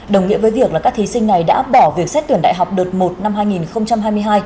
đồng nghĩa với việc là các thí sinh này đã bỏ việc xét tuyển đại học đợt một năm hai nghìn hai mươi hai